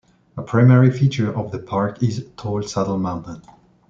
A primary feature of the park is tall Saddle Mountain.